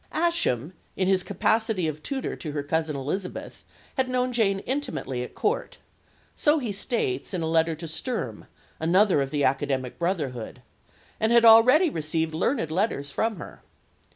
Ascham, in his capacity of tutor to her cousin Elizabeth, had known Jane intimately at Court so he states in a letter to Sturm, another of the academic brotherhood and had already received learned letters from her.